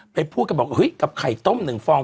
ไปพูดกับบอกเอ้ยกับไข่ต้มหนึ่งฟอง